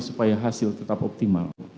supaya hasil tetap optimal